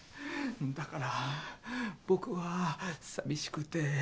だから僕は寂しくて。